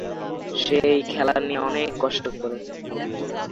সে এই খেলা নিয়ে অনেক কষ্ট করেছে।